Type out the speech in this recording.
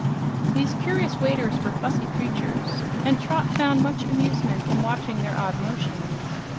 These curious waiters were fussy creatures, and Trot found much amusement in watching their odd motions.